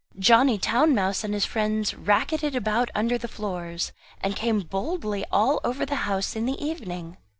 Johnny Town mouse and his friends racketted about under the floors, and came boldly out all over the house in the evening.